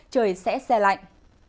trời sẽ xe lạnh